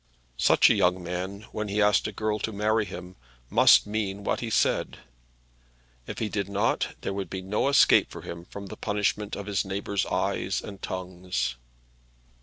Such a young man, when he asked a girl to marry him, must mean what he said. If he did not there would be no escape for him from the punishment of his neighbours' eyes and tongues.